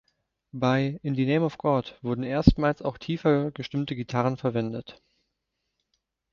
Bei "In the Name of God" wurden erstmals auch tiefer gestimmte Gitarren verwendet.